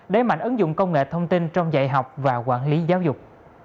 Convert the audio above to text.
đẩy mạnh ứng dụng công nghệ thông tin trong dạy học và quản lý giáo dục